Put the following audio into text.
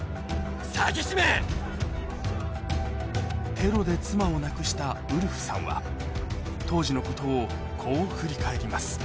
テロで妻を亡くしたウルフさんは当時のことをこう振り返ります妻は。